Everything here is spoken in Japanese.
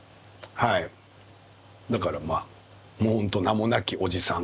だからまあもう本当名もなきおじさん。